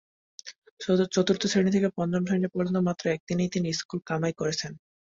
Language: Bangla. চতুর্থ শ্রেণি থেকে দশম শ্রেণি পর্যন্ত মাত্র একদিনই তিনি স্কুল কামাই করেছেন।